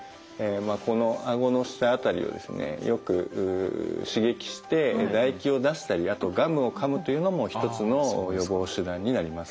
このあごの下あたりをですねよく刺激して唾液を出したりあとガムをかむというのも一つの予防手段になります。